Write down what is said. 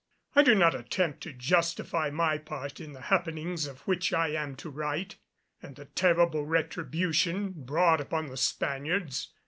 I do not attempt to justify my part in the happenings of which I am to write, and the terrible retribution brought upon the Spaniards.